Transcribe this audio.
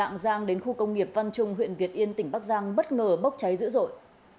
lạng giang đến khu công nghiệp văn trung huyện việt yên tỉnh bắc giang bất ngờ bốc cháy dữ dội